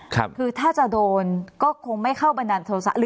คือถ้าจะโดนก็คงไม่เข้าบันดาลโทษะ